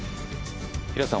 平瀬さん